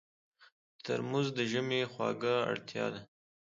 ترموز د ژمي خوږه اړتیا ده.